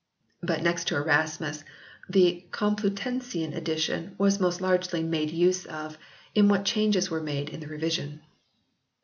But next to Erasmus the Complutensian edition was most largely made use of in what changes were made in the revision.